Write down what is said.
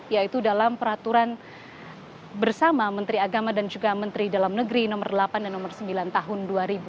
yaitu dalam peraturan bersama menteri agama dan juga menteri dalam negeri nomor delapan dan nomor sembilan tahun dua ribu dua puluh